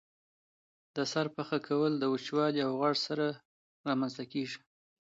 د سر پخه کول د وچوالي او غوړ سره رامنځته کیږي.